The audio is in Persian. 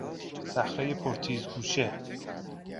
صخرهی پر تیز گوشه